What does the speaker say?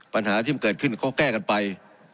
ปัญหาที่มันเกิดขึ้นก็แก้กันไป